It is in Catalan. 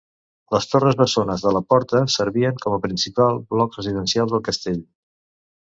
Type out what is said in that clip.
Les torres bessones de la porta servien com a principal bloc residencial del castell.